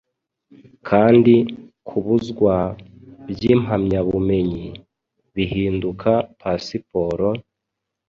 Kandi kubuzwa, byimpamyabumenyi bihinduka pasiporo,